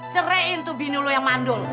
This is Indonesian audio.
ceraiin tuh bini lo yang mandul